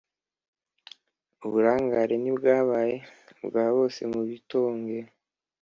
uburangare ntibwabaye ubwa bose. mu bitongero